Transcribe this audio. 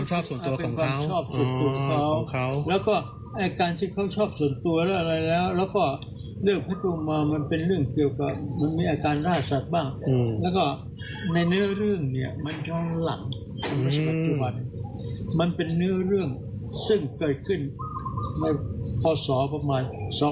มันเป็นเนื้อเรื่องซึ่งเกิดขึ้นในพศประมาณ๒๔๙๑๒๔๙๒